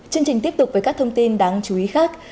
chương trình tiếp tục với các thông tin đáng chú ý khác